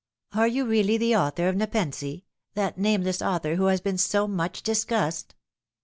Are you really the author of Nepenthe, that nameless author who has been so much discussed